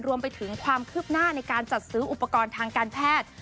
รวมไปถึงความคืบหน้าในการจัดซื้ออุปกรณ์ทางการแพทย์